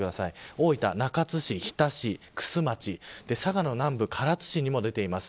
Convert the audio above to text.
大分、中津市、日田市、玖珠町佐賀の南部唐津市も出ています。